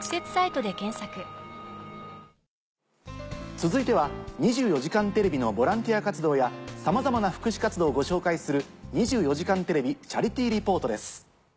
続いては『２４時間テレビ』のボランティア活動やさまざまな福祉活動をご紹介する。